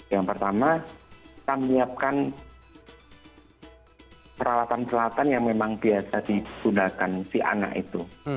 yang pertama kita menyiapkan peralatan peralatan yang memang biasa digunakan si anak itu